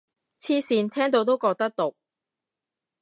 黐線，聽到都覺得毒